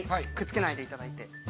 くっつけないでいただいて。